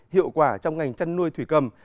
hiệu quả trong ngành chăn nuôi thủy cầm